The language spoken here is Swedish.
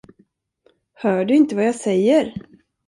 Hör du inte vad jag säger?